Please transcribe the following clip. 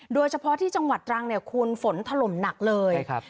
โดยเฉพาะที่จังหวัดตรังเนี่ยคุณฝนถล่มหนักเลย